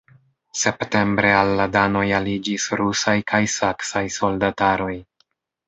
Septembre al la danoj aliĝis rusaj kaj saksaj soldataroj.